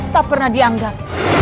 tak pernah dianggap